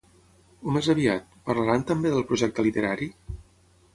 O més aviat, ¿parlaran també del projecte literari?